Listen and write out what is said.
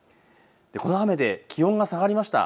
この雨で気温が下がりました。